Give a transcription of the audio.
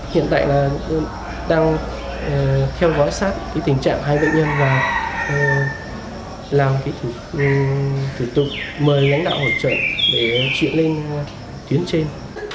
hiện tại là đang theo gói sát cái tình trạng hai bệnh nhân và làm cái thủ tục mời lãnh đạo hỗ trợ để chuyển lên tuyến trên